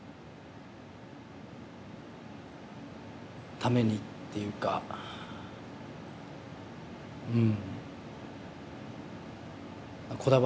ためにっていうかうん。